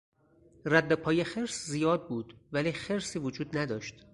ردپای خرس زیاد بود ولی خرسی وجود نداشت.